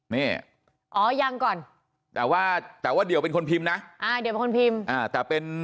นี่อ๋อยังก่อนแต่ว่าแต่ว่าเดี่ยวเป็นคนพิมพ์นะอ่าเดี่ยวเป็นคนพิมพ์อ่าแต่เป็น